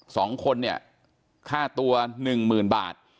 สองคนเนี่ยค่าตัว๑๐๐๐๐บาท